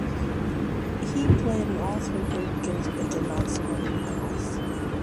He played in all three group games but did not score any goals.